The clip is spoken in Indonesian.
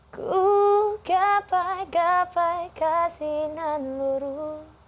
ku gapai gapai kasih nan luruh